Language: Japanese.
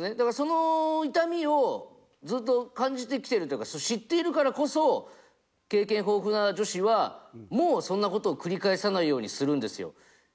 だからその痛みをずっと感じてきてるというか知っているからこそ経験豊富な女子はもうそんな事を繰り返さないようにするんですよ。